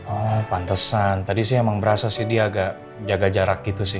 oh pantesan tadi sih emang berasa sih dia agak jaga jarak gitu sih